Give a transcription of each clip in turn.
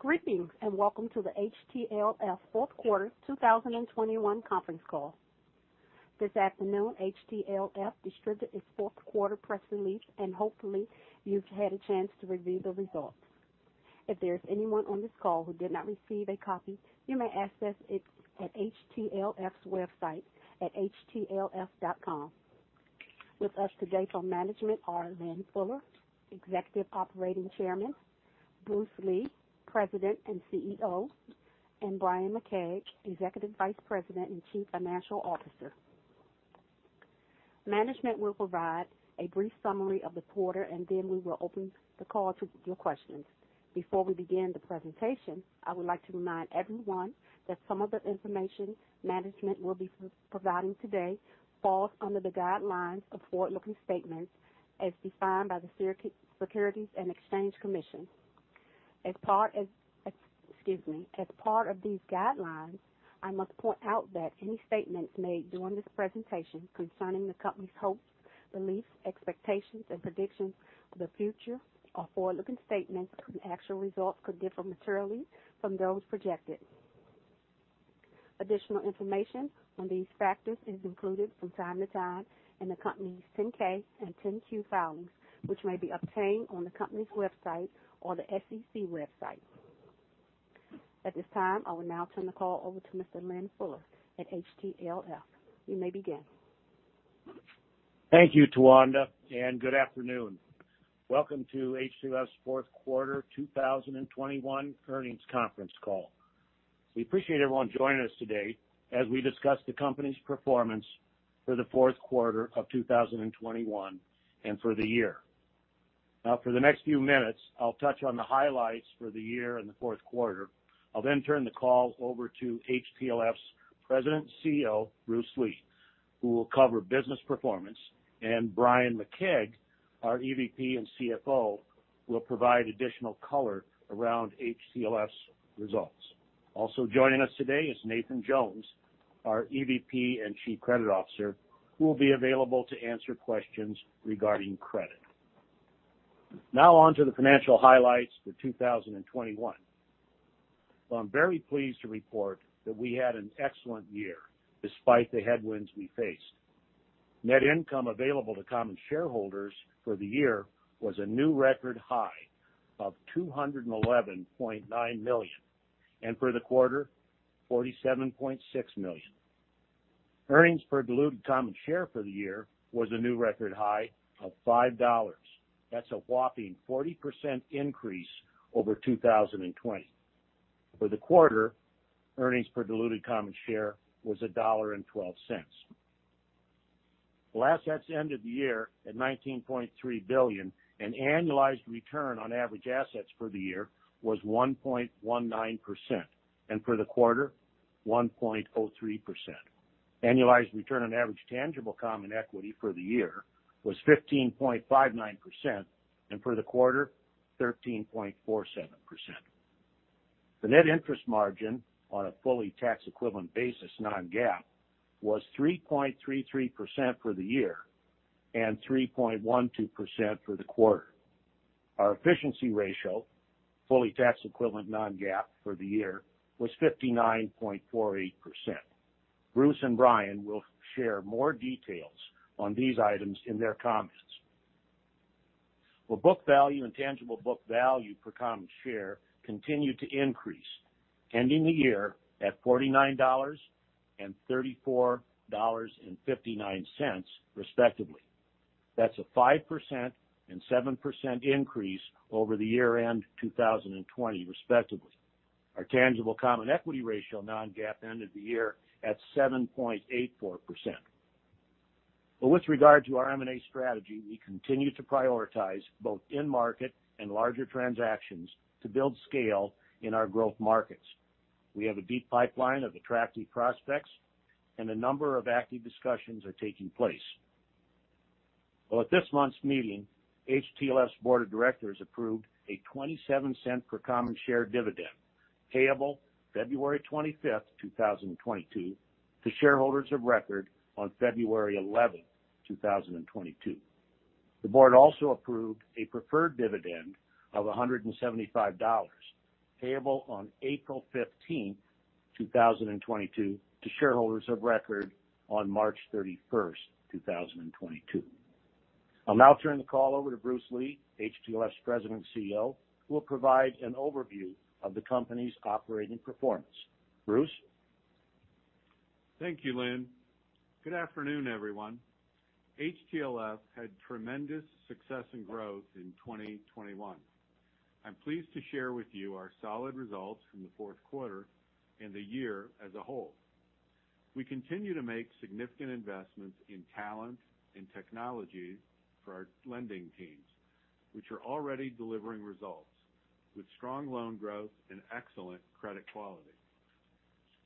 Greetings, welcome to the HTLF Q4 2021 conference call. This afternoon, HTLF distributed its Q4 press release, and hopefully you've had a chance to review the results. If there's anyone on this call who did not receive a copy, you may access it at HTLF's website at htlf.com. With us today from management are Lynn Fuller, Executive Operating Chairman, Bruce Lee, President and CEO, and Bryan McKeag, EVP and CFO. Management will provide a brief summary of the quarter, and then we will open the call to your questions. Before we begin the presentation, I would like to remind everyone that some of the information management will be providing today falls under the guidelines of forward-looking statements as defined by the Securities and Exchange Commission. As part of these guidelines, I must point out that any statements made during this presentation concerning the company's hopes, beliefs, expectations, and predictions for the future are forward-looking statements whose actual results could differ materially from those projected. Additional information on these factors is included from time to time in the company's 10-K and 10-Q filings, which may be obtained on the company's website or the SEC website. At this time, I will now turn the call over to Mr. Lynn Fuller at HTLF. You may begin. Thank you, Tawanda, and good afternoon. Welcome to HTLF's fQ4 2021 earnings conference call. We appreciate everyone joining us today as we discuss the company's performance for the Q4 of 2021 and for the year. Now, for the next few minutes, I'll touch on the highlights for the year and the Q4. I'll then turn the call over to HTLF's President and CEO, Bruce Lee, who will cover business performance, and Bryan McKeag, our EVP and CFO, will provide additional color around HTLF's results. Also joining us today is Nathan Jones, our EVP and Chief Credit Officer, who will be available to answer questions regarding credit. Now on to the financial highlights for 2021. Well, I'm very pleased to report that we had an excellent year despite the headwinds we faced. Net income available to common shareholders for the year was a new record high of $211.9 million, and for the quarter, $47.6 million. Earnings per diluted common share for the year was a new record high of $5. That's a whopping 40% increase over 2020. For the quarter, earnings per diluted common share was $1.12. While assets ended the year at $19.3 billion, an annualized return on average assets for the year was 1.19%, and for the quarter, 1.03%. Annualized return on average tangible common equity for the year was 15.59%, and for the quarter, 13.47%. The net interest margin on a fully tax-equivalent basis non-GAAP was 3.33% for the year and 3.12% for the quarter. Our efficiency ratio, fully tax-equivalent non-GAAP for the year, was 59.48%. Bruce and Bryan will share more details on these items in their comments. The book value and tangible book value per common share continued to increase, ending the year at $49 and $34.59, respectively. That's a 5% and 7% increase over the year-end 2020, respectively. Our tangible common equity ratio non-GAAP ended the year at 7.84%. With regard to our M&A strategy, we continue to prioritize both in-market and larger transactions to build scale in our growth markets. We have a deep pipeline of attractive prospects, and a number of active discussions are taking place. Well, at this month's meeting, HTLF's board of directors approved a $0.27 per common share dividend, payable February 25, 2022 to shareholders of record on February 11, 2022. The board also approved a preferred dividend of $175, payable on April 15, 2022 to shareholders of record on March 31, 2022. I'll now turn the call over to Bruce Lee, HTLF's President and CEO, who will provide an overview of the company's operating performance. Bruce? Thank you, Lynn. Good afternoon, everyone. HTLF had tremendous success and growth in 2021. I'm pleased to share with you our solid results from the fourth quarter and the year as a whole. We continue to make significant investments in talent and technology for our lending teams, which are already delivering results with strong loan growth and excellent credit quality.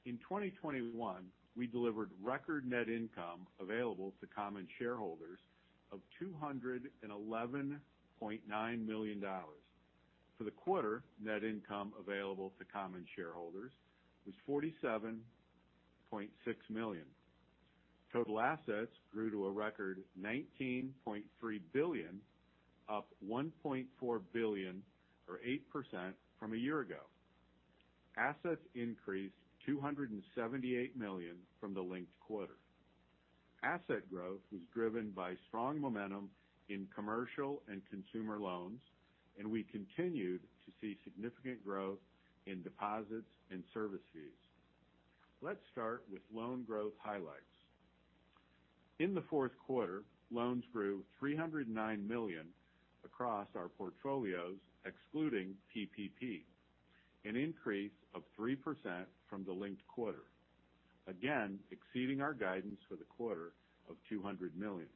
In 2021, we delivered record net income available to common shareholders of $211.9 million. For the quarter, net income available to common shareholders was $47.6 million. Total assets grew to a record $19.3 billion, up $1.4 billion or 8% from a year ago. Assets increased $278 million from the linked quarter. Asset growth was driven by strong momentum in commercial and consumer loans, and we continued to see significant growth in deposits and service fees. Let's start with loan growth highlights. In the fourth quarter, loans grew $309 million across our portfolios, excluding PPP, an increase of 3% from the linked quarter. Again, exceeding our guidance for the quarter of $200 million.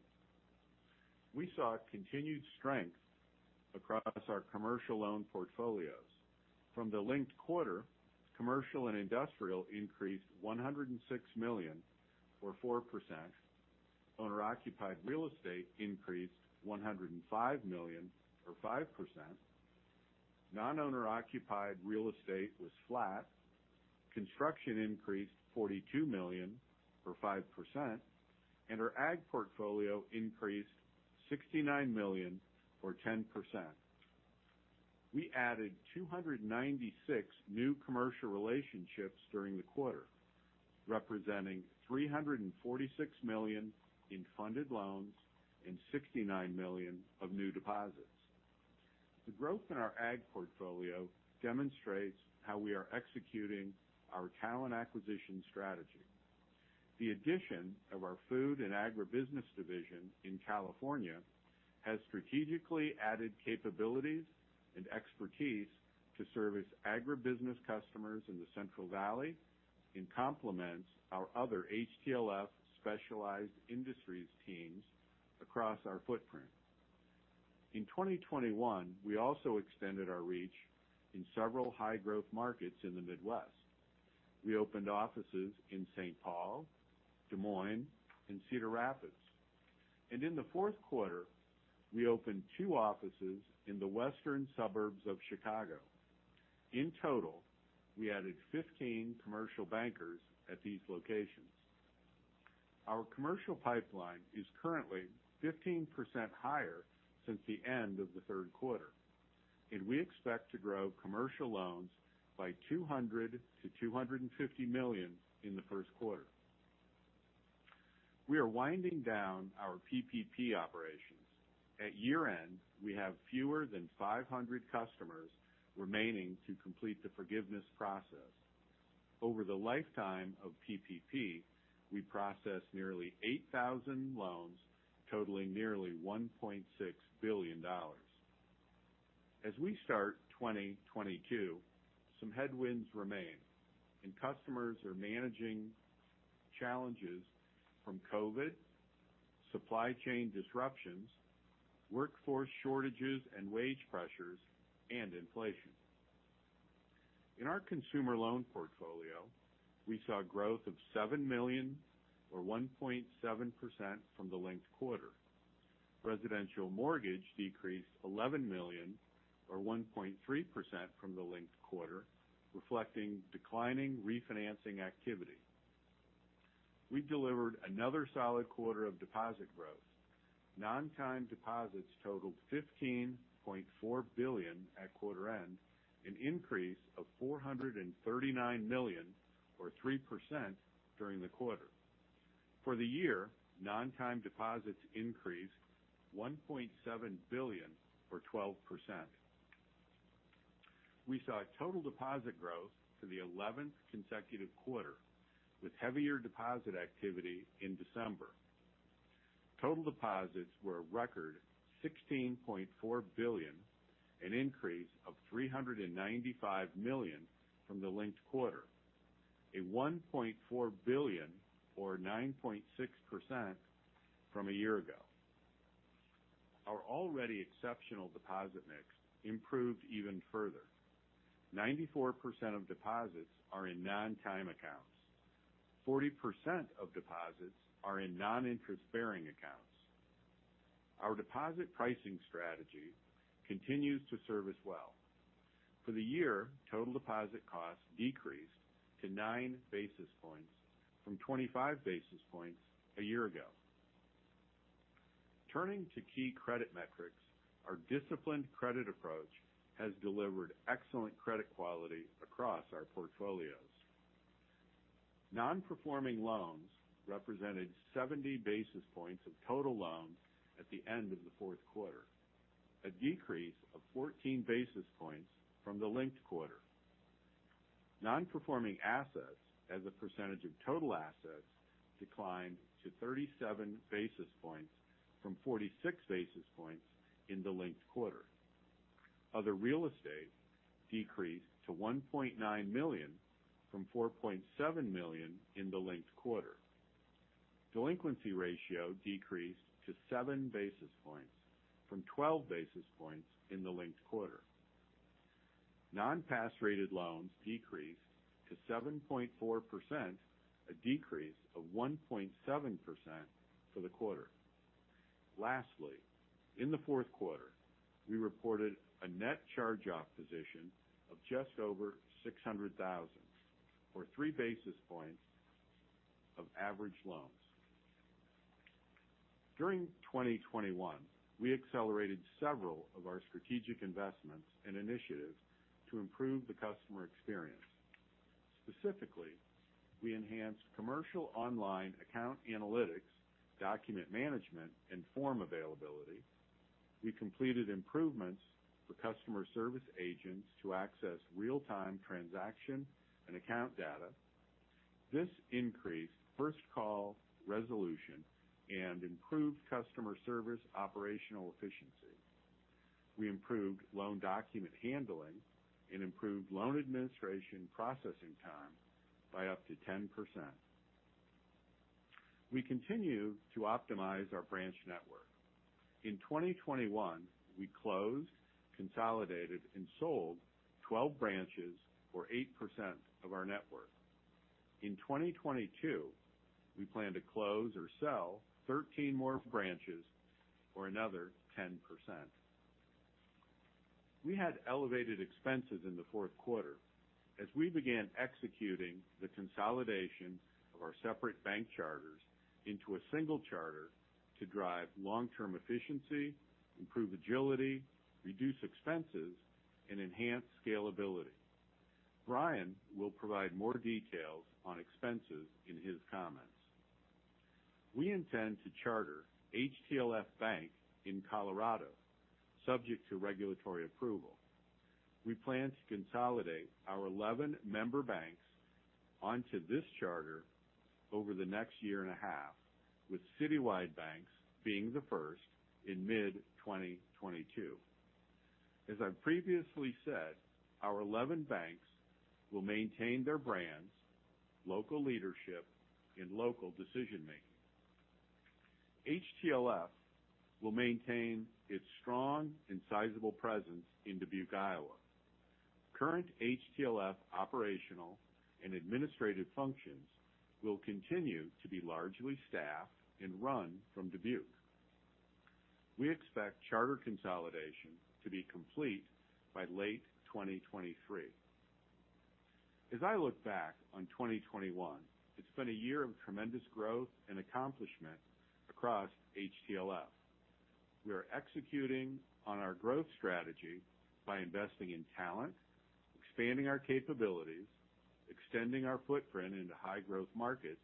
We saw continued strength across our commercial loan portfolios. From the linked quarter, commercial and industrial increased $106 million or 4%. Owner-occupied real estate increased $105 million or 5%. Non-owner-occupied real estate was flat. Construction increased $42 million or 5%, and our ag portfolio increased $69 million or 10%. We added 296 new commercial relationships during the quarter, representing $346 million in funded loans and $69 million of new deposits. The growth in our ag portfolio demonstrates how we are executing our talent acquisition strategy. The addition of our Food and Agribusiness division in California has strategically added capabilities and expertise to service agribusiness customers in the Central Valley and complements our other HTLF specialized industries teams across our footprint. In 2021, we also extended our reach in several high-growth markets in the Midwest. We opened offices in St. Paul, Des Moines, and Cedar Rapids. In the fourth quarter, we opened two offices in the western suburbs of Chicago. In total, we added 15 commercial bankers at these locations. Our commercial pipeline is currently 15% higher since the end of the Q3, and we expect to grow commercial loans by $200 million-$250 million in the Q1. We are winding down our PPP operations. At year-end, we have fewer than 500 customers remaining to complete the forgiveness process. Over the lifetime of PPP, we processed nearly 8,000 loans totaling nearly $1.6 billion. As we start 2022, some headwinds remain, and customers are managing challenges from COVID, supply chain disruptions, workforce shortages and wage pressures, and inflation. In our consumer loan portfolio, we saw growth of $7 million or 1.7% from the linked quarter. Residential mortgage decreased $11 million or 1.3% from the linked quarter, reflecting declining refinancing activity. We delivered another solid quarter of deposit growth. Non-time deposits totaled $15.4 billion at quarter end, an increase of $439 million or 3% during the quarter. For the year, non-time deposits increased $1.7 billion or 12%. We saw total deposit growth for the 11th consecutive quarter, with heavier deposit activity in December. Total deposits were a record $16.4 billion, an increase of $395 million from the linked quarter, a $1.4 billion or 9.6% from a year ago. Our already exceptional deposit mix improved even further. 94% of deposits are in non-time accounts. 40% of deposits are in non-interest-bearing accounts. Our deposit pricing strategy continues to serve us well. For the year, total deposit costs decreased to 9 basis points from 25 basis points a year ago. Turning to key credit metrics, our disciplined credit approach has delivered excellent credit quality across our portfolios. Non-performing loans represented 70 basis points of total loans at the end of the fourth quarter, a decrease of 14 basis points from the linked quarter. Non-performing assets as a percentage of total assets declined to 37 basis points from 46 basis points in the linked quarter. Other real estate decreased to $1.9 million from $4.7 million in the linked quarter. Delinquency ratio decreased to seven basis points from 12 basis points in the linked quarter. Non-pass rated loans decreased to 7.4%, a decrease of 1.7% for the quarter. Lastly, in the fourth quarter, we reported a net charge-off position of just over $600,000, or three basis points of average loans. During 2021, we accelerated several of our strategic investments and initiatives to improve the customer experience. Specifically, we enhanced commercial online account analytics, document management, and form availability. We completed improvements for customer service agents to access real-time transaction and account data. This increased first call resolution and improved customer service operational efficiency. We improved loan document handling and improved loan administration processing time by up to 10%. We continue to optimize our branch network. In 2021, we closed, consolidated, and sold 12 branches or 8% of our network. In 2022, we plan to close or sell 13 more branches or another 10%. We had elevated expenses in the Q4 as we began executing the consolidation of our separate bank charters into a single charter to drive long-term efficiency, improve agility, reduce expenses, and enhance scalability. Bryan will provide more details on expenses in his comments. We intend to charter HTLF Bank in Colorado, subject to regulatory approval. We plan to consolidate our 11 member banks onto this charter over the next year and a half, with Citywide Banks being the first in mid-2022. As I previously said, our 11 banks will maintain their brands, local leadership, and local decision-making. HTLF will maintain its strong and sizable presence in Dubuque, Iowa. Current HTLF operational and administrative functions will continue to be largely staffed and run from Dubuque. We expect charter consolidation to be complete by late 2023. As I look back on 2021, it's been a year of tremendous growth and accomplishment across HTLF. We are executing on our growth strategy by investing in talent, expanding our capabilities, extending our footprint into high-growth markets,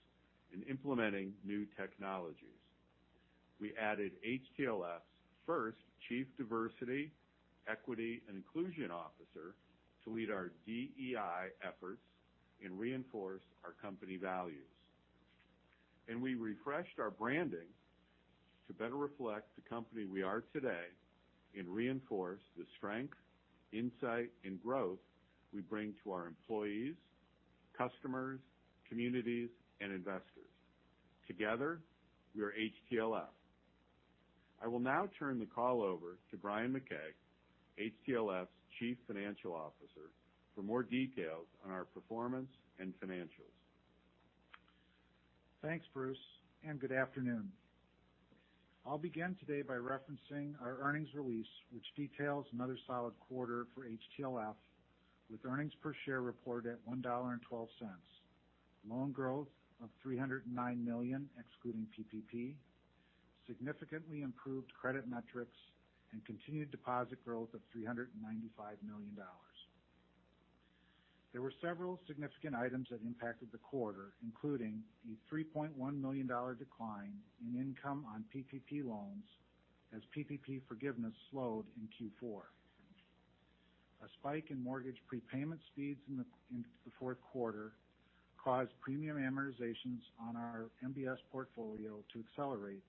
and implementing new technologies. We added HTLF's first Chief Diversity, Equity, and Inclusion Officer to lead our DEI efforts and reinforce our company values. We refreshed our branding to better reflect the company we are today and reinforce the strength, insight, and growth we bring to our employees, customers, communities, and investors. Together, we are HTLF. I will now turn the call over to Bryan McKeag, HTLF's CFO, for more details on our performance and financials. Thanks, Bruce, and good afternoon. I'll begin today by referencing our earnings release, which details another solid quarter for HTLF with earnings per share reported at $1.12, loan growth of $309 million, excluding PPP, significantly improved credit metrics, and continued deposit growth of $395 million. There were several significant items that impacted the quarter, including a $3.1 million decline in income on PPP loans as PPP forgiveness slowed in Q4. A spike in mortgage prepayment speeds in the fourth quarter caused premium amortizations on our MBS portfolio to accelerate,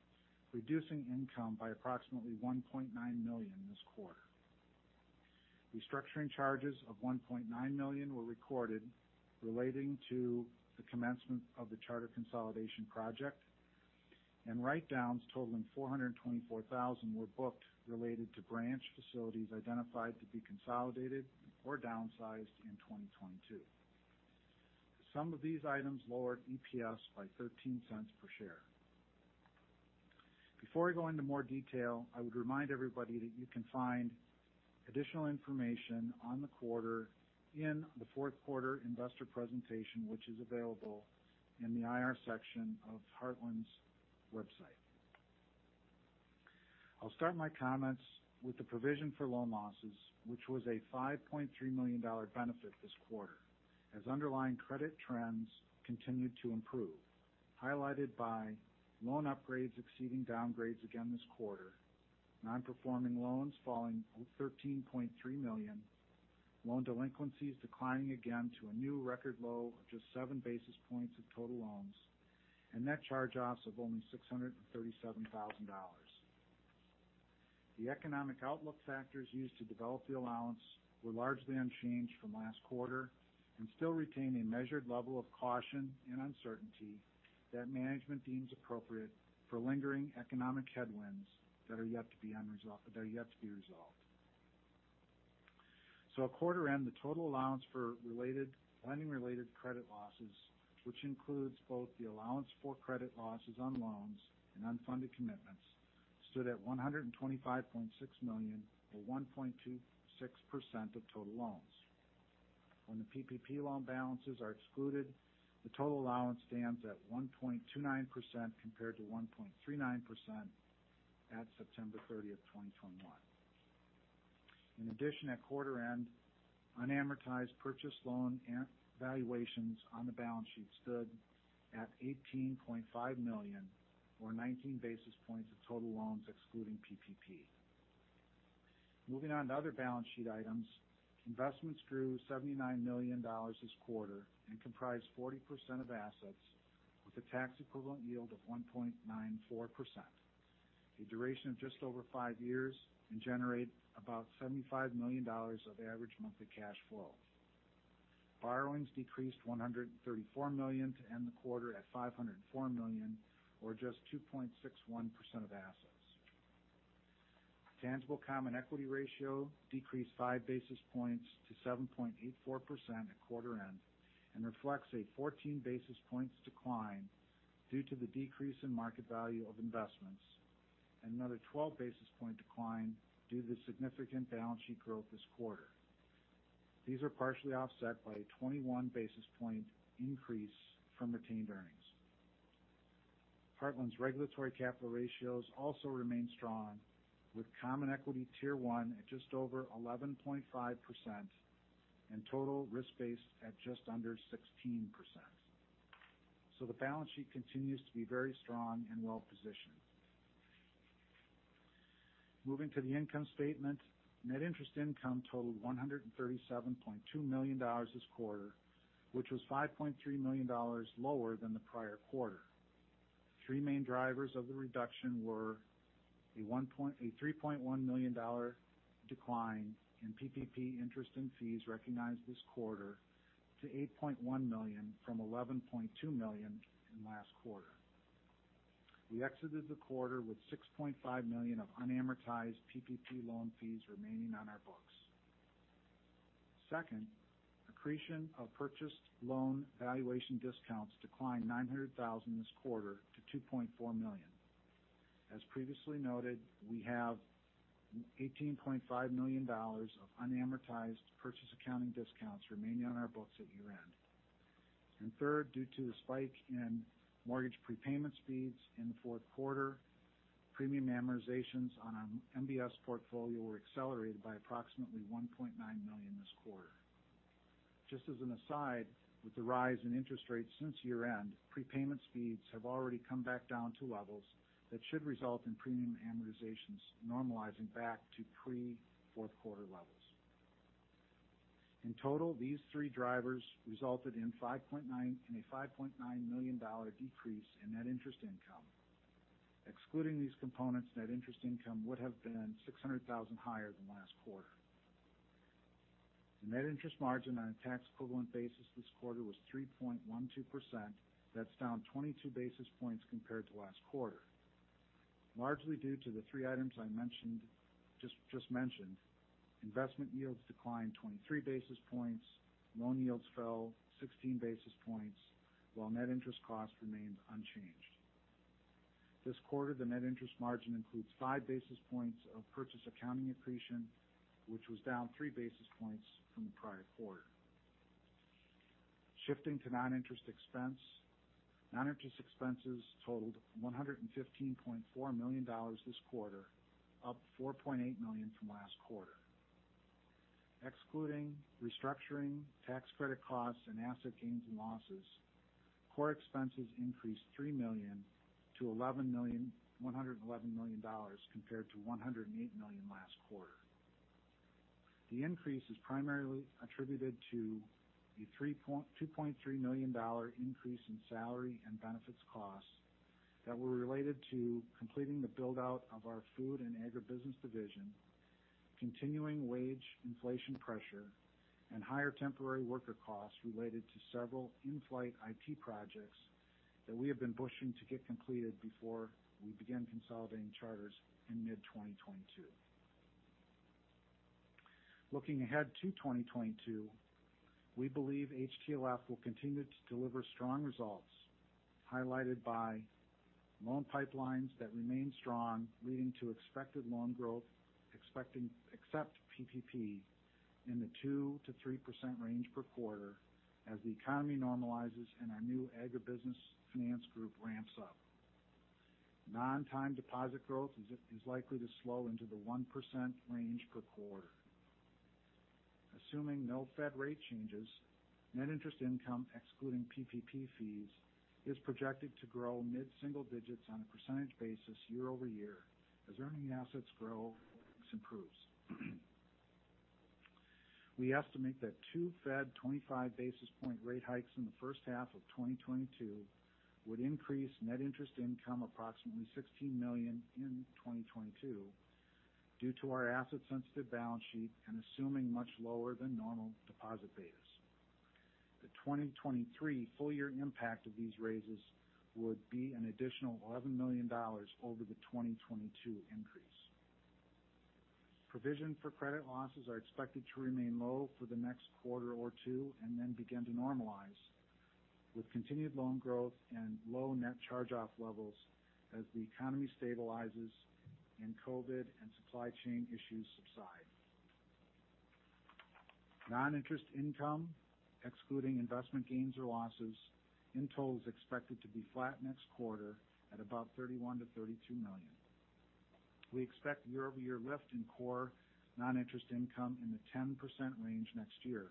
reducing income by approximately $1.9 million this quarter. Restructuring charges of $1.9 million were recorded relating to the commencement of the charter consolidation project, and write-downs totaling $424 thousand were booked related to branch facilities identified to be consolidated or downsized in 2022. The sum of these items lowered EPS by $0.13 per share. Before I go into more detail, I would remind everybody that you can find additional information on the quarter in the fourth quarter investor presentation, which is available in the IR section of Heartland's website. I'll start my comments with the provision for loan losses, which was a $5.3 million benefit this quarter as underlying credit trends continued to improve, highlighted by loan upgrades exceeding downgrades again this quarter, non-performing loans falling $13.3 million, loan delinquencies declining again to a new record low of just seven basis points of total loans, and net charge-offs of only $637,000. The economic outlook factors used to develop the allowance were largely unchanged from last quarter and still retain a measured level of caution and uncertainty that management deems appropriate for lingering economic headwinds that are yet to be resolved. At quarter end, the total allowance for lending related credit losses, which includes both the allowance for credit losses on loans and unfunded commitments, stood at $125.6 million, or 1.26% of total loans. When the PPP loan balances are excluded, the total allowance stands at 1.29% compared to 1.39% at September 30th 2021. In addition, at quarter end, unamortized purchase loan valuations on the balance sheet stood at $18.5 million, or 19 basis points of total loans excluding PPP. Moving on to other balance sheet items. Investments grew $79 million this quarter and comprise 40% of assets with a tax equivalent yield of 1.94%, a duration of just over 5 years, and generate about $75 million of average monthly cash flow. Borrowings decreased $134 million to end the quarter at $504 million, or just 2.61% of assets. Tangible common equity ratio decreased five basis points to 7.84% at quarter end and reflects a 14 basis points decline due to the decrease in market value of investments, and another 12 basis points decline due to significant balance sheet growth this quarter. These are partially offset by a 21 basis points increase from retained earnings. Heartland's regulatory capital ratios also remain strong, with Common Equity Tier One at just over 11.5% and total risk-based capital at just under 16%. The balance sheet continues to be very strong and well-positioned. Moving to the income statement. Net interest income totaled $137.2 million this quarter, which was $5.3 million lower than the prior quarter. Three main drivers of the reduction were a three point one million dollar decline in PPP interest and fees recognized this quarter to $8.1 million from $11.2 million in last quarter. We exited the quarter with $6.5 million of unamortized PPP loan fees remaining on our books. Second, accretion of purchased loan valuation discounts declined $900,000 this quarter to $2.4 million. As previously noted, we have $18.5 million of unamortized purchase accounting discounts remaining on our books at year-end. Third, due to the spike in mortgage prepayment speeds in the fourth quarter, premium amortizations on our MBS portfolio were accelerated by approximately $1.9 million this quarter. Just as an aside, with the rise in interest rates since year-end, prepayment speeds have already come back down to levels that should result in premium amortizations normalizing back to pre-fourth quarter levels. In total, these three drivers resulted in a $5.9 million decrease in net interest income. Excluding these components, net interest income would have been $600,000 higher than last quarter. The net interest margin on a tax equivalent basis this quarter was 3.12%. That's down 22 basis points compared to last quarter. Largely due to the three items I mentioned, investment yields declined 23 basis points, loan yields fell 16 basis points, while net interest costs remained unchanged. This quarter, the net interest margin includes 5 basis points of purchase accounting accretion, which was down 3 basis points from the prior quarter. Shifting to non-interest expense. Non-interest expenses totaled $115.4 million this quarter, up $4.8 million from last quarter. Excluding restructuring, tax credit costs, and asset gains and losses, core expenses increased $3 million to $111 million compared to $108 million last quarter. The increase is primarily attributed to a $2.3 million increase in salary and benefits costs that were related to completing the build out of our Food and Agribusiness division, continuing wage inflation pressure, and higher temporary worker costs related to several in-flight IT projects that we have been pushing to get completed before we begin consolidating charters in mid-2022. Looking ahead to 2022, we believe HTLF will continue to deliver strong results, highlighted by loan pipelines that remain strong, leading to expected loan growth except PPP in the 2%-3% range per quarter as the economy normalizes and our new Agribusiness Finance group ramps up. Non-time deposit growth is likely to slow into the 1% range per quarter. Assuming no Fed rate changes, net interest income excluding PPP fees is projected to grow mid-single digits% year-over-year as earning asset growth improves. We estimate that two Fed 25 basis point rate hikes in the first half of 2022 would increase net interest income approximately $16 million in 2022 due to our asset-sensitive balance sheet and assuming much lower than normal deposit betas. 2023 full year impact of these raises would be an additional $11 million over the 2022 increase. Provision for credit losses is expected to remain low for the next quarter or two and then begin to normalize with continued loan growth and low net charge-off levels as the economy stabilizes and COVID and supply chain issues subside. Non-interest income, excluding investment gains or losses, in total is expected to be flat next quarter at about $31 million-$32 million. We expect year-over-year lift in core non-interest income in the 10% range next year.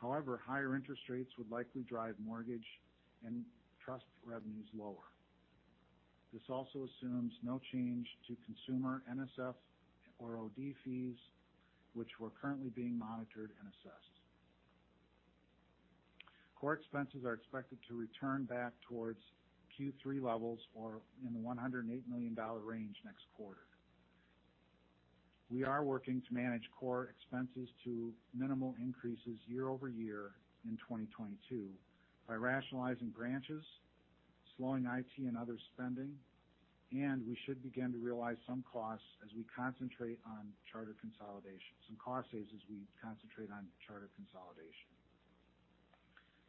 However, higher interest rates would likely drive mortgage and trust revenues lower. This also assumes no change to consumer NSF or OD fees which were currently being monitored and assessed. Core expenses are expected to return back towards Q3 levels or in the $108 million range next quarter. We are working to manage core expenses to minimal increases year-over-year in 2022 by rationalizing branches, slowing IT and other spending, and we should begin to realize some cost savings as we concentrate on charter consolidation.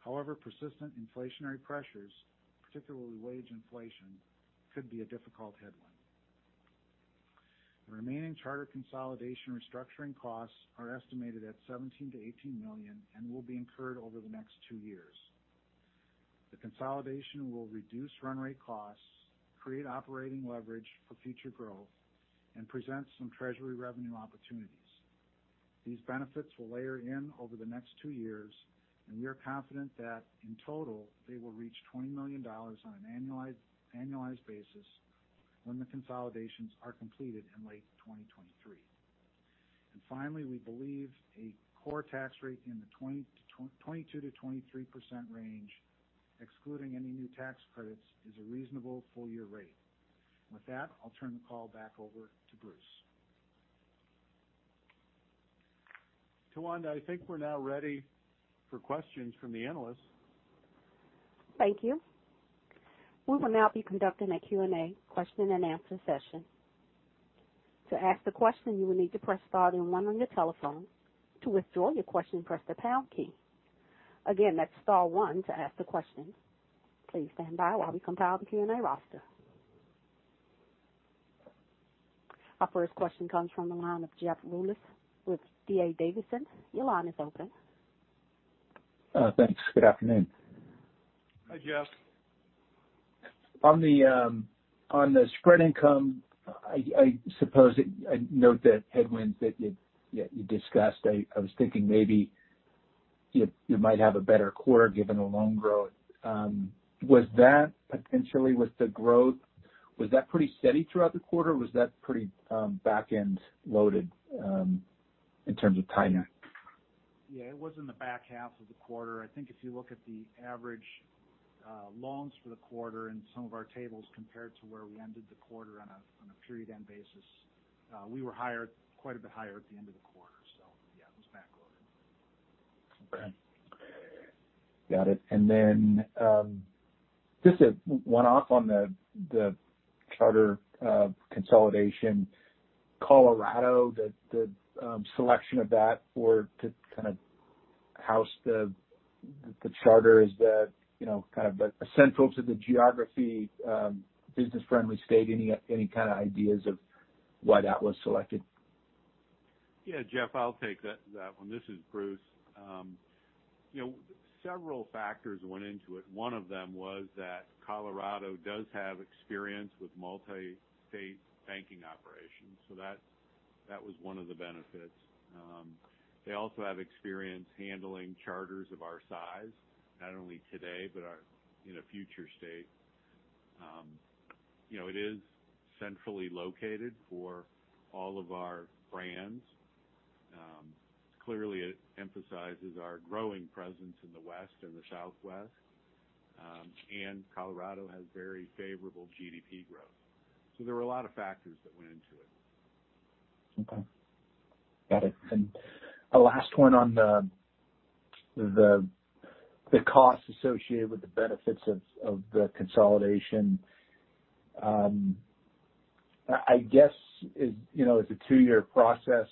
However, persistent inflationary pressures, particularly wage inflation, could be a difficult headwind. The remaining charter consolidation restructuring costs are estimated at $17 million-$18 million and will be incurred over the next two years. The consolidation will reduce run rate costs, create operating leverage for future growth, and present some treasury revenue opportunities. These benefits will layer in over the next two years, and we are confident that in total, they will reach $20 million on an annualized basis when the consolidations are completed in late 2023. Finally, we believe a core tax rate in the 20% to 22%-23% range, excluding any new tax credits, is a reasonable full year rate. With that, I'll turn the call back over to Bruce. Tawanda, I think we're now ready for questions from the analysts. Thank you. We will now be conducting a Q&A question and answer session. To ask the question, you will need to press star then one on your telephone. To withdraw your question, press the pound key. Again, that's star one to ask the question. Please stand by while we compile the Q&A roster. Our first question comes from the line of Jeff Rulis with D.A. Davidson. Your line is open. Thanks. Good afternoon. Hi, Jeff. On the spread income, I suppose it. I note the headwinds that you discussed. I was thinking maybe you might have a better quarter given the loan growth. Was that potentially with the growth, was that pretty steady throughout the quarter? Was that pretty back-end loaded in terms of timing? Yeah, it was in the back half of the quarter. I think if you look at the average, loans for the quarter in some of our tables compared to where we ended the quarter on a period end basis, we were higher, quite a bit higher at the end of the quarter. Yeah, it was back-loaded. Okay. Got it. Just a one-off on the charter consolidation. Colorado, the selection of that to kind of house the charter, is that, you know, kind of central to the geography, business-friendly state? Any kind of ideas of why that was selected? Yeah, Jeff, I'll take that one. This is Bruce. You know, several factors went into it. One of them was that Colorado does have experience with multi-state banking operations, so that was one of the benefits. They also have experience handling charters of our size, not only today, but in our future state. You know, it is centrally located for all of our brands. Clearly it emphasizes our growing presence in the West and the Southwest. Colorado has very favorable GDP growth. There were a lot of factors that went into it. Okay. Got it. A last one on the costs associated with the benefits of the consolidation. I guess, you know, as a two-year process,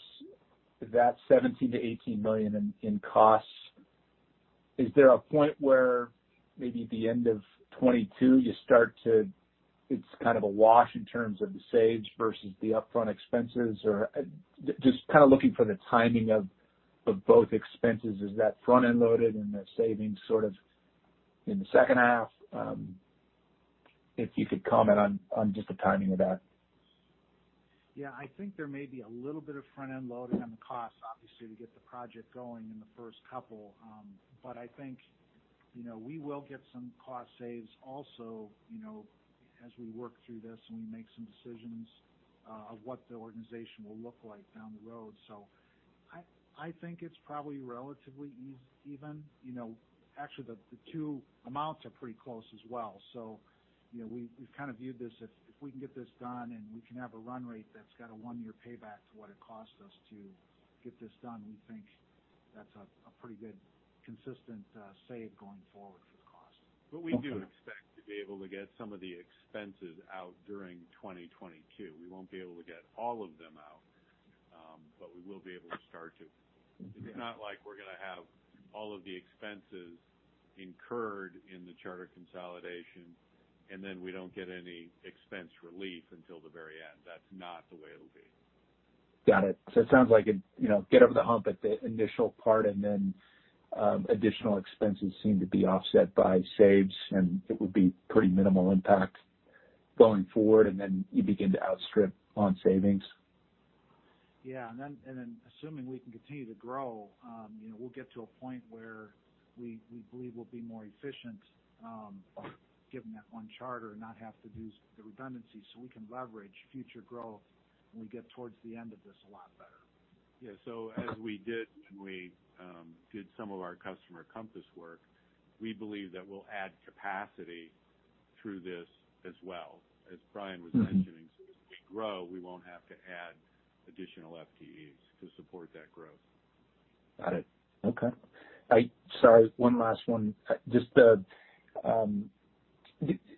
that $17 million-$18 million in costs, is there a point where maybe at the end of 2022 it's kind of a wash in terms of the saves versus the upfront expenses? Or just kind of looking for the timing of both expenses. Is that front-end loaded and the savings sort of in the second half? If you could comment on just the timing of that. Yeah. I think there may be a little bit of front-end loading on the costs, obviously, to get the project going in the first couple. I think, you know, we will get some cost savings also, you know, as we work through this and we make some decisions of what the organization will look like down the road. I think it's probably relatively even, you know. Actually, the two amounts are pretty close as well. You know, we've kind of viewed this, if we can get this done and we can have a run rate that's got a one-year payback to what it costs us to get this done, we think that's a pretty good consistent savings going forward for the company. We do expect to be able to get some of the expenses out during 2022. We won't be able to get all of them out, but we will be able to start to. Mm-hmm. It's not like we're gonna have all of the expenses incurred in the charter consolidation, and then we don't get any expense relief until the very end. That's not the way it'll be. Got it. It sounds like it, you know, get over the hump at the initial part, and then, additional expenses seem to be offset by saves, and it would be pretty minimal impact going forward, and then you begin to outstrip on savings. Yeah. Assuming we can continue to grow, you know, we'll get to a point where we believe we'll be more efficient, given that one charter and not have to do the redundancy so we can leverage future growth when we get towards the end of this a lot better. Yeah. As we did when we did some of our Customer Compass work, we believe that we'll add capacity through this as well, as Bryan was mentioning. Mm-hmm. As we grow, we won't have to add additional FTEs to support that growth. Got it. Okay. Sorry, one last one. Just,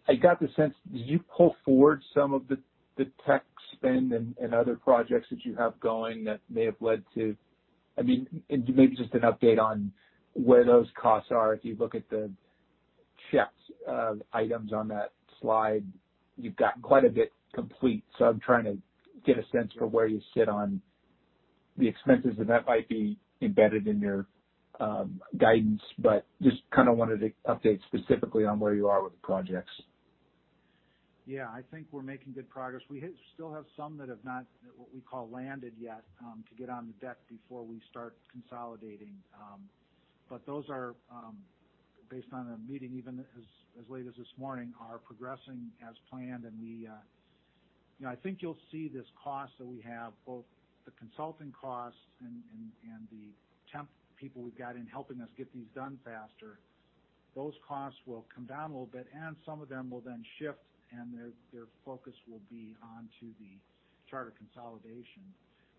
I got the sense, did you pull forward some of the tech spend and other projects that you have going that may have led to, I mean, maybe just an update on where those costs are. If you look at the checks, items on that slide, you've got quite a bit complete. So I'm trying to get a sense for where you sit on the expenses, and that might be embedded in your guidance. Just kinda wanted to update specifically on where you are with the projects. Yeah. I think we're making good progress. We still have some that have not what we call landed yet to get on the deck before we start consolidating. Those are, based on a meeting even as late as this morning, progressing as planned. We, you know, I think you'll see this cost that we have, both the consulting costs and the temp people we've got in helping us get these done faster, those costs will come down a little bit, and some of them will then shift, and their focus will be onto the charter consolidation,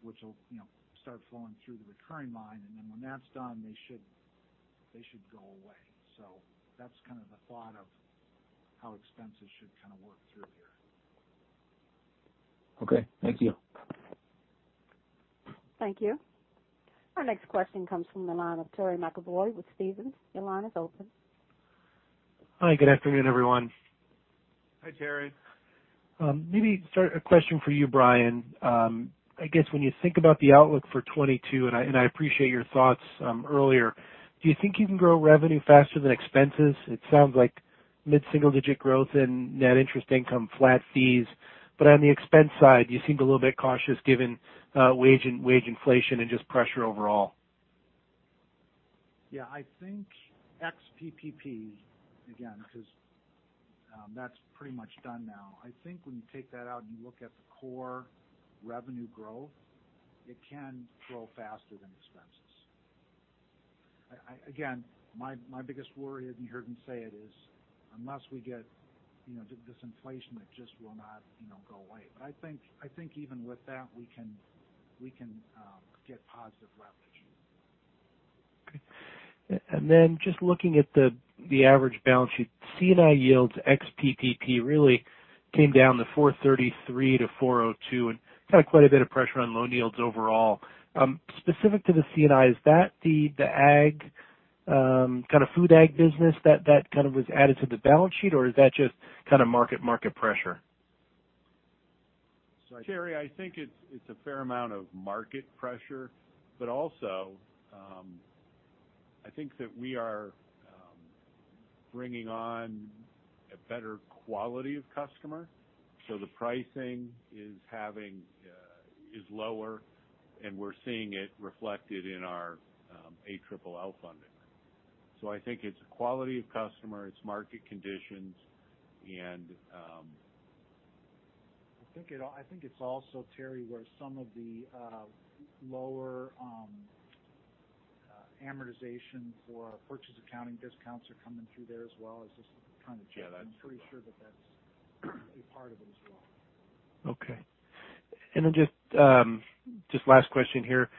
which will, you know, start flowing through the recurring line. Then when that's done, they should go away. That's kind of the thought of how expenses should kind of work through here. Okay. Thank you. Thank you. Our next question comes from the line of Terry McEvoy with Stephens. Your line is open. Hi, good afternoon, everyone. Hi, Terry. Maybe start with a question for you, Bryan. I guess when you think about the outlook for 2022, and I appreciate your thoughts earlier, do you think you can grow revenue faster than expenses? It sounds like mid-single-digit growth in net interest income, flat fees. On the expense side, you seemed a little bit cautious given wage inflation and just pressure overall. Yeah. I think ex PPP, again, because that's pretty much done now. Again, my biggest worry, as you heard me say, is unless we get you know this inflation that just will not you know go away. I think even with that, we can get positive leverage. Okay. Just looking at the average balance sheet, C&I yields ex PPP really came down to 4.33%-4.02% and kind of quite a bit of pressure on loan yields overall. Specific to the C&I, is that the ag kind of food ag business that kind of was added to the balance sheet, or is that just kind of market pressure? Terry, I think it's a fair amount of market pressure, but also, I think that we are bringing on a better quality of customer. So the pricing is lower, and we're seeing it reflected in our ALLL funding. So I think it's quality of customer, it's market conditions, and I think it's also, Terry, where some of the lower amortization for purchase accounting discounts are coming through there as well as just kind of Yeah, that too. I'm pretty sure that that's a part of it as well. Okay. Just last question here.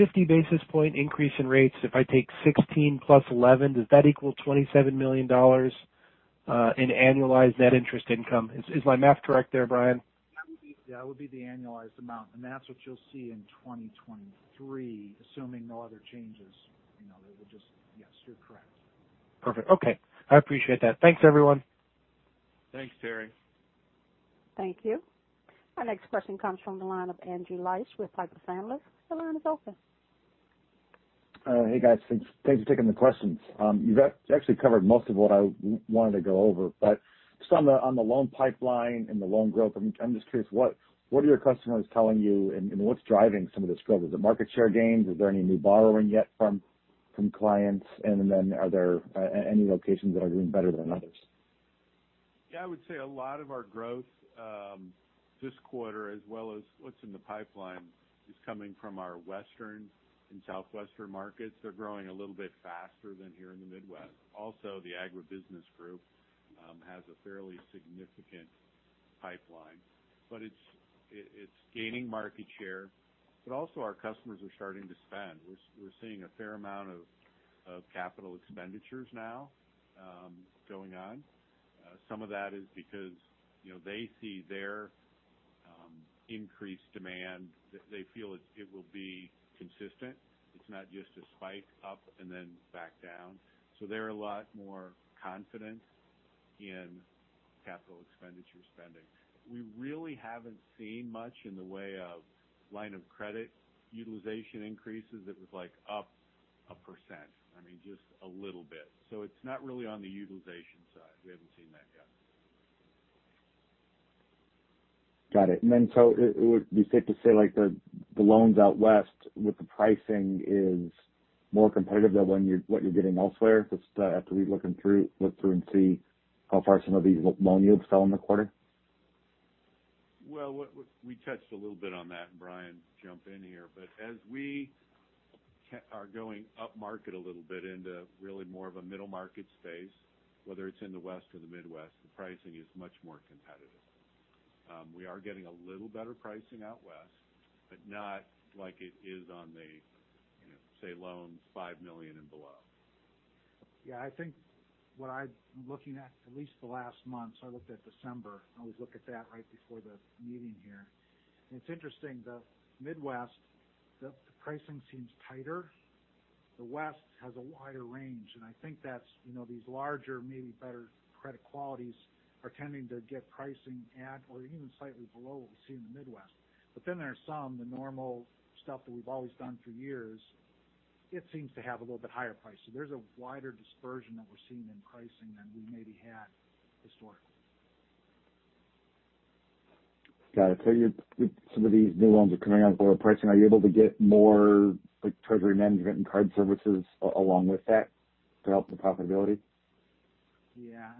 50 basis point increase in rates. If I take 16 + 11, does that equal $27 million in annualized net interest income? Is my math correct there, Bryan? That would be the annualized amount, and that's what you'll see in 2023, assuming no other changes. You know, yes, you're correct. Perfect. Okay. I appreciate that. Thanks, everyone. Thanks, Terry. Thank you. Our next question comes from the line of Andrew Liesch with Piper Sandler. Your line is open. Hey, guys. Thanks for taking the questions. You've actually covered most of what I wanted to go over. Just on the loan pipeline and the loan growth, I'm just curious what are your customers telling you and what's driving some of this growth? Is it market share gains? Is there any new borrowing yet from clients? And then are there any locations that are doing better than others? Yeah. I would say a lot of our growth this quarter as well as what's in the pipeline is coming from our western and southwestern markets. They're growing a little bit faster than here in the Midwest. Also, the agribusiness group has a fairly significant pipeline. It's gaining market share. Also our customers are starting to spend. We're seeing a fair amount of capital expenditures now going on. Some of that is because, you know, they see their increased demand. They feel it will be consistent. It's not just a spike up and then back down. They're a lot more confident in capital expenditure spending. We really haven't seen much in the way of line of credit utilization increases. It was like up 1%. I mean, just a little bit. It's not really on the utilization side. We haven't seen that yet. Got it. It would be safe to say like the loans out west with the pricing is more competitive than what you're getting elsewhere just after we looked through and see how far some of these loan yields fell in the quarter? Well, we touched a little bit on that and Bryan jump in here, but as we are going upmarket a little bit into really more of a middle market space, whether it's in the West or the Midwest, the pricing is much more competitive. We are getting a little better pricing out West, but not like it is on the, you know, say loans $5 million and below. Yeah. I think what I'm looking at least the last month, so I looked at December. I always look at that right before the meeting here. It's interesting, the Midwest, the pricing seems tighter. The West has a wider range. I think that's, you know, these larger, maybe better credit qualities are tending to get pricing at or even slightly below what we see in the Midwest. Then there are some, the normal stuff that we've always done for years, it seems to have a little bit higher price. There's a wider dispersion that we're seeing in pricing than we maybe had historically. Got it. Some of these new loans are coming out lower pricing. Are you able to get more like treasury management and card services along with that to help the profitability? Yeah.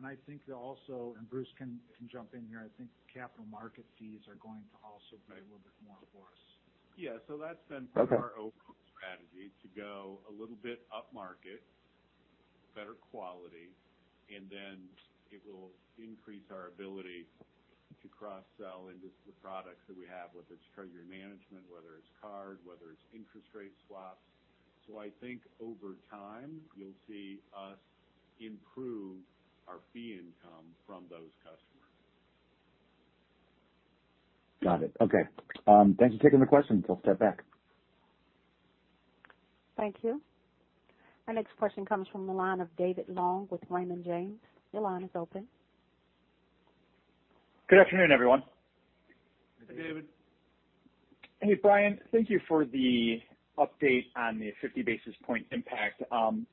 I think also, and Bruce can jump in here, I think capital market fees are going to also play a little bit more for us. Yeah. That's been. Okay. a part of our overall strategy to go a little bit upmarket, better quality, and then it will increase our ability to cross-sell into the products that we have, whether it's treasury management, whether it's card, whether it's interest rate swaps. I think over time you'll see us improve our fee income from those customers. Got it. Okay. Thanks for taking the question. I'll step back. Thank you. Our next question comes from the line of David Long with Raymond James. Your line is open. Good afternoon, everyone. Hey, David. Hey, David. Hey, Bryan, thank you for the update on the 50 basis point impact.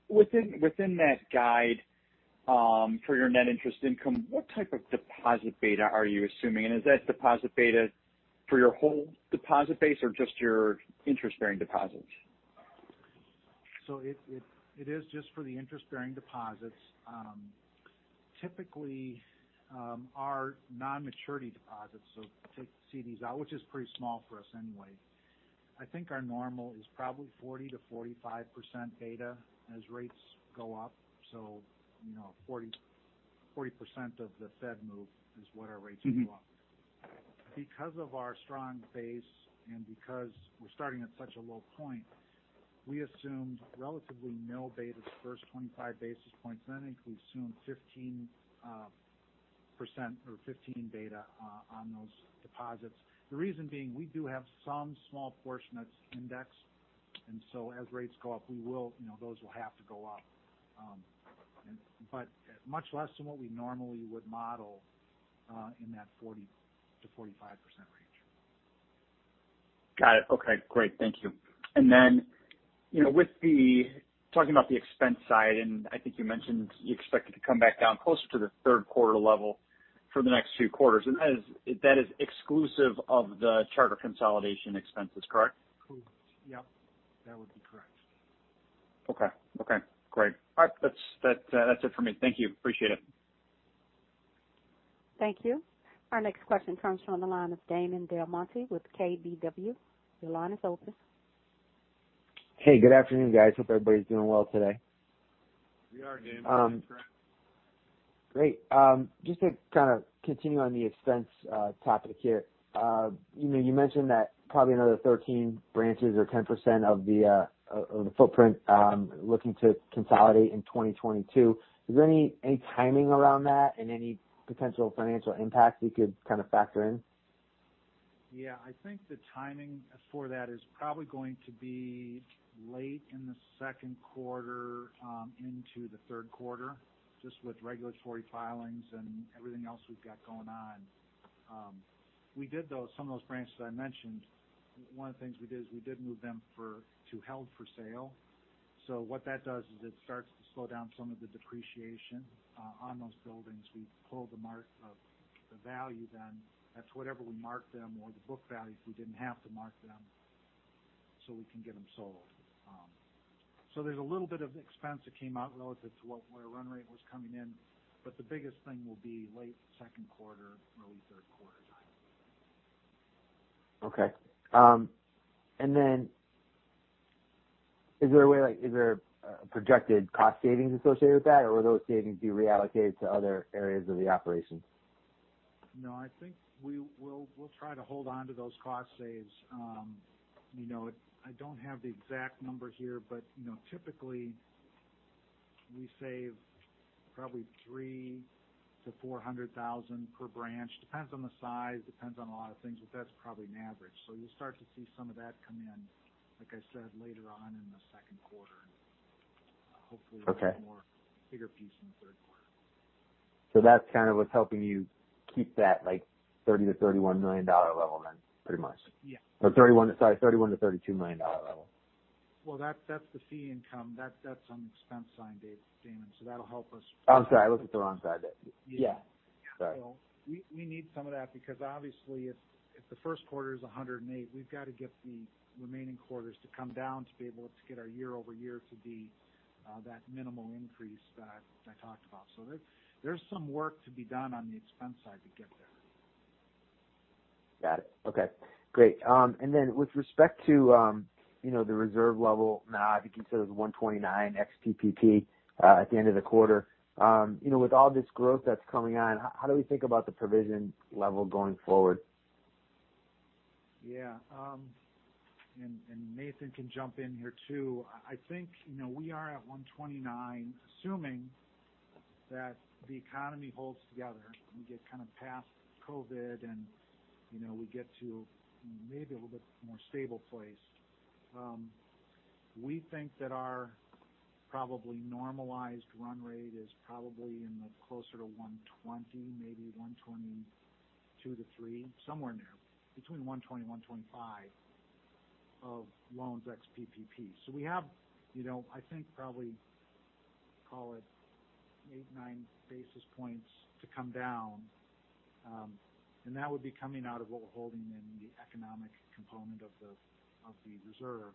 Within that guide, for your net interest income, what type of deposit beta are you assuming? And is that deposit beta for your whole deposit base or just your interest-bearing deposits? It is just for the interest-bearing deposits. Typically, our non-maturity deposits, take CDs out, which is pretty small for us anyway. I think our normal is probably 40%-45% beta as rates go up. 40% of the Fed move is what our rates will go up. Because of our strong base and because we're starting at such a low point, we assumed relatively no beta the first 25 basis points. Then I think we assumed 15% or 15 beta on those deposits. The reason being we do have some small portion that's indexed. As rates go up, we will, those will have to go up. But much less than what we normally would model in that 40%-45% range. Got it. Okay, great. Thank you. Then, you know, talking about the expense side, and I think you mentioned you expect it to come back down closer to the third quarter level for the next few quarters. That is exclusive of the charter consolidation expenses, correct? Excluding. Yep. That would be correct. Okay. Okay, great. All right. That's it for me. Thank you. Appreciate it. Thank you. Our next question comes from the line of Damon DelMonte with KBW. Your line is open. Hey, good afternoon, guys. Hope everybody's doing well today. We are, Damon. Great. Just to kind of continue on the expense topic here. You know, you mentioned that probably another 13 branches or 10% of the footprint looking to consolidate in 2022. Is there any timing around that and any potential financial impacts you could kind of factor in? Yeah. I think the timing for that is probably going to be late in the second quarter, into the third quarter, just with regulatory filings and everything else we've got going on. We did though, some of those branches I mentioned, one of the things we did is we did move them to held for sale. So what that does is it starts to slow down some of the depreciation, on those buildings. We pull the mark of the value then. That's whatever we marked them or the book values, we didn't have to mark them so we can get them sold. So there's a little bit of expense that came out relative to what our run rate was coming in, but the biggest thing will be late second quarter, early third quarter timing. Okay. Is there a way, like, projected cost savings associated with that, or will those savings be reallocated to other areas of the operation? No, I think we'll try to hold on to those cost saves. You know, I don't have the exact number here, but, you know, typically we save probably $300,000-$400,000 per branch. Depends on the size, depends on a lot of things, but that's probably an average. You'll start to see some of that come in, like I said, later on in the second quarter. Hopefully. Okay. A more bigger piece in the third quarter. That's kind of what's helping you keep that, like, $30 million-$31 million level then, pretty much? Yeah. $31 million-$32 million level. Well, that's the fee income. That's on the expense line, Damon, so that'll help us. I'm sorry. I looked at the wrong side then. Yeah. Yeah. Sorry. We need some of that because obviously if the first quarter is $108, we've got to get the remaining quarters to come down to be able to get our year-over-year to be that minimal increase that I talked about. There's some work to be done on the expense side to get there. Got it. Okay, great. With respect to, you know, the reserve level, now I think you said it was 1.29 ex PPP at the end of the quarter. You know, with all this growth that's coming on, how do we think about the provision level going forward? Yeah, Nathan can jump in here, too. I think, you know, we are at 129, assuming that the economy holds together, we get kind of past COVID and, you know, we get to maybe a little bit more stable place. We think that our probably normalized run rate is probably closer to 120, maybe 122-123, somewhere in there. Between 120-125 of loans ex PPP. We have, you know, I think probably call it 8-9 basis points to come down. That would be coming out of what we're holding in the economic component of the reserve.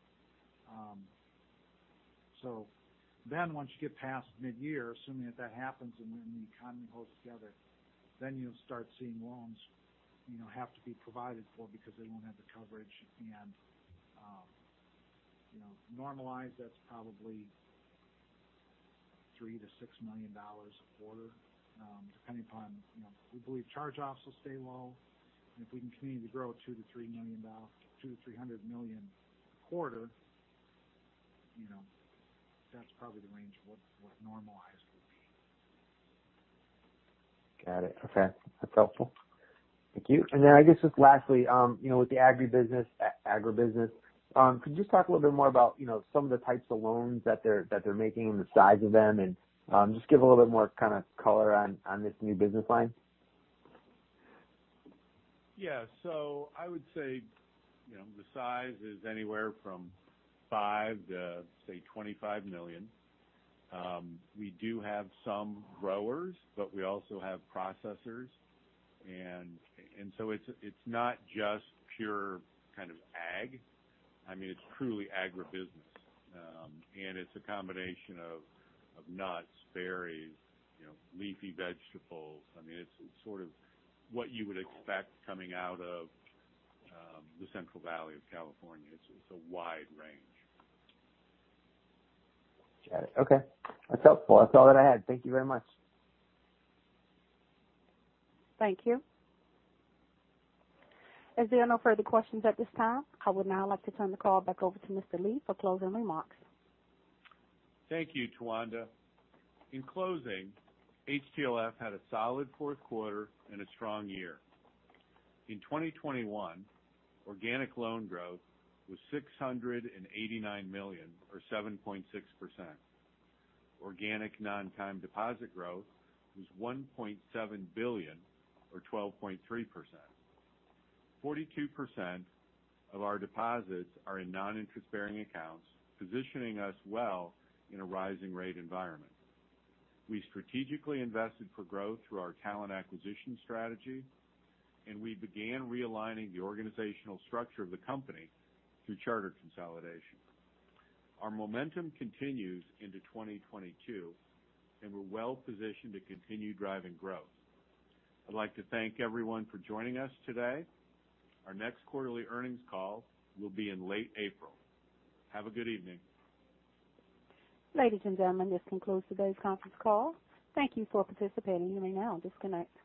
Once you get past mid-year, assuming that that happens and when the economy holds together, then you'll start seeing loans, you know, have to be provided for because they won't have the coverage. You know, normalized, that's probably $3 million-$6 million a quarter, depending upon, you know, we believe charge-offs will stay low. If we can continue to grow $200 million-$300 million a quarter, you know, that's probably the range of what normalized would be. Got it. Okay. That's helpful. Thank you. I guess just lastly, you know, with the agribusiness, could you just talk a little bit more about, you know, some of the types of loans that they're making and the size of them, and just give a little bit more kind of color on this new business line. Yeah. I would say, you know, the size is anywhere from $5 million to, say, $25 million. We do have some growers, but we also have processors. It's not just pure kind of ag. I mean, it's truly agribusiness. It's a combination of nuts, berries, you know, leafy vegetables. I mean, it's sort of what you would expect coming out of the Central Valley of California. It's a wide range. Got it. Okay. That's helpful. That's all that I had. Thank you very much. Thank you. As there are no further questions at this time, I would now like to turn the call back over to Mr. Lee for closing remarks. Thank you, Tawanda. In closing, HTLF had a solid fourth quarter and a strong year. In 2021, organic loan growth was $689 million or 7.6%. Organic non-time deposit growth was $1.7 billion or 12.3%. 42% of our deposits are in non-interest bearing accounts, positioning us well in a rising rate environment. We strategically invested for growth through our talent acquisition strategy, and we began realigning the organizational structure of the company through charter consolidation. Our momentum continues into 2022, and we're well positioned to continue driving growth. I'd like to thank everyone for joining us today. Our next quarterly earnings call will be in late April. Have a good evening. Ladies and gentlemen, this concludes today's conference call. Thank you for participating. You may now disconnect.